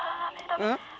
うん？